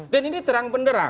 dan ini terang benderang